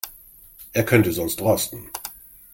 Er könnte sonst rosten.